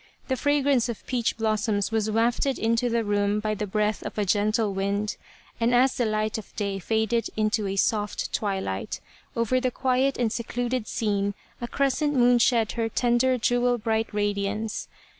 The fragrance of peach blossoms was wafted into the room by the breath of a gentle wind, and as the light of day faded into a soft twilight, over the quiet and secluded scene a crescent moon shed her tender jewel bright radiance.